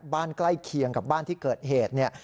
บ้านใกล้เคียงกับบ้านที่เกิดเหตุ